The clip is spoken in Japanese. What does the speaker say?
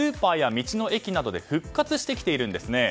これ、スーパーや道の駅などで復活してきているんですね。